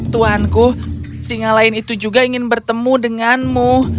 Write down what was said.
tuanku singa lain itu juga ingin bertemu denganmu